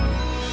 aku sudah lebih